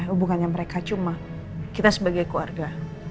hubungannya mereka cuma kita sebagai keluarga